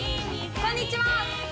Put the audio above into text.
こんにちは！